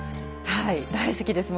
はい大好きです。